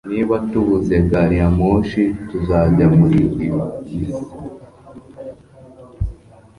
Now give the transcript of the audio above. Niba tubuze gari ya moshi tuzajya muri bisi